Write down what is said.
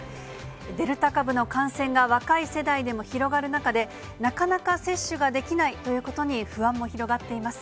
デルタ株の感染が若い世代でも広がる中で、なかなか接種ができないということに不安も広がっています。